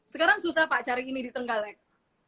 sekarang susah pak cari ini di trenggalek